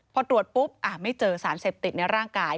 พอตรวจปุ๊บไม่เจอสารเสพติดในร่างกาย